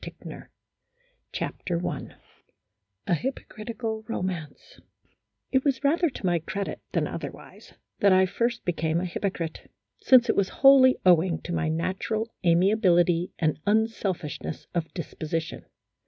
233 A HYPOCRITICAL ROMANCE A HYPOCRITICAL ROMANCE IT was rather to my credit than otherwise, that I first became a hypocrite, since it was wholly owing to my natural amiability and unselfishness of disposition.